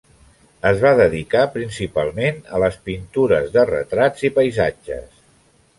Es va dedicar principalment a les pintures de retrats i paisatges.